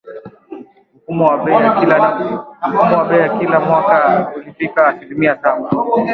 Mfumuko wa bei wa kila mwaka ulifikia asilimia saba